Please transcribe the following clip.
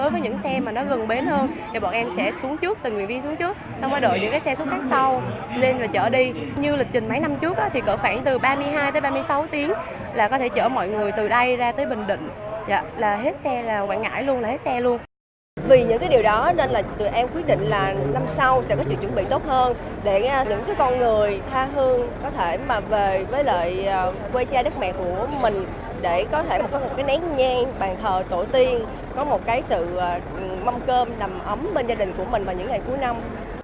quê cha đất mẹ của mình để có thể có một nén nhan bàn thờ tổ tiên có một sự mâm cơm nằm ấm bên gia đình của mình vào những ngày cuối năm